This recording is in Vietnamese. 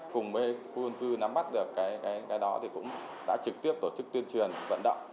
cùng với khuôn cư nắm mắt được cái đó thì cũng đã trực tiếp tổ chức tuyên truyền vận động